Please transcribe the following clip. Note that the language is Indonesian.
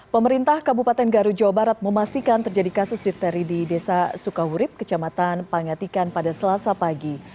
pemerintah kabupaten garut jawa barat memastikan terjadi kasus difteri di desa sukahurib kecamatan pangatikan pada selasa pagi